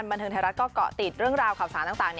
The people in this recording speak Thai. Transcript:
บันเทิงไทยรัฐก็เกาะติดเรื่องราวข่าวสารต่าง